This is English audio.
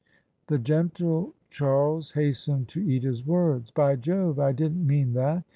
The gentle Charles hastened to eat his words. " By Jove I I didn't mean that.